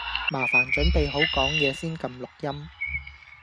麻煩準備好講嘢先㩒錄音